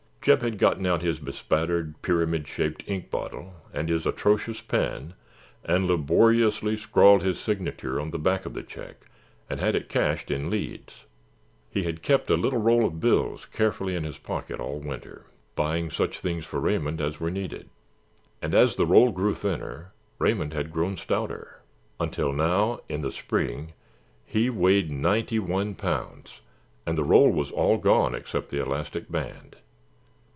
Jeb had gotten out his bespattered, pyramid shaped ink bottle and his atrocious pen and laboriously scrawled his signature on the back of the check and had it cashed in Leeds. He had kept the little roll of bills carefully in his pocket all winter, buying such things for Raymond as were needed, and as the roll grew thinner Raymond had grown stouter, until now, in the spring, he weighed ninety one pounds and the roll was all gone except the elastic band.